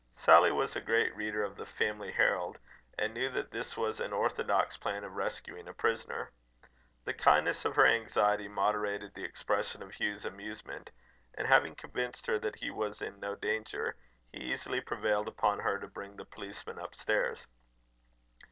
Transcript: Sally was a great reader of the Family Herald, and knew that this was an orthodox plan of rescuing a prisoner. The kindness of her anxiety moderated the expression of Hugh's amusement; and having convinced her that he was in no danger, he easily prevailed upon her to bring the policeman upstairs.